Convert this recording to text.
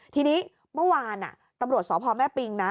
ทีนี้เมื่อวานตำรวจสพแม่ปิงนะ